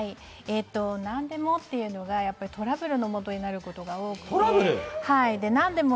「何でも」というのがトラブルの元になることが多いんです。